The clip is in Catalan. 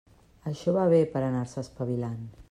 Això va bé per anar-se espavilant.